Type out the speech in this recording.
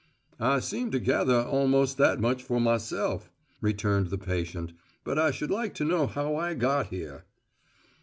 "I seem to gather almost that much for myself," returned the patient. "But I should like to know how I got here."